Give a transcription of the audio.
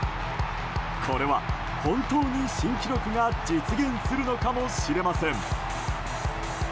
これは本当に新記録が実現するのかもしれません。